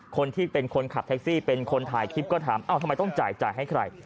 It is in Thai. คนที่เป็นคนขับแท็กซี่เป็นคนถ่ายคลิปก็ถามทำไมต้องจ่ายจ่ายให้ใคร